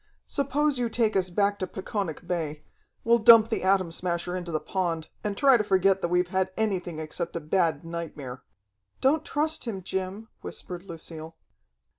"Suppose you take us back to Peconic Bay. We'll dump the Atom Smasher into the pond, and try to forget that we've had anything except a bad nightmare." "Don't trust him, Jim," whispered Lucille.